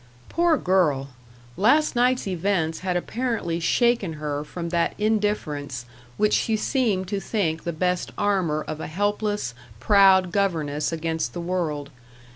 Poor girl! last night's events had apparently shaken her from that indifference which she seemed to think the best armour of a helpless, proud governess against the world.